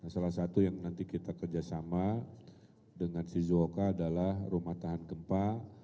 salah satu yang nanti kita kerjasama dengan shizuoka adalah rumah tahan gempa